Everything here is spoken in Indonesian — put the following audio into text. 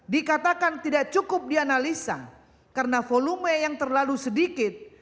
dikatakan tidak cukup dianalisa karena volume yang terlalu sedikit